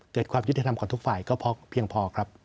ความยุติธรรมของทุกฝ่ายก็เพียงพอครับ